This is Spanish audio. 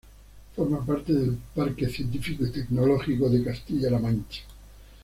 Forma parte del Parque Científico y Tecnológico de Castilla-La Mancha.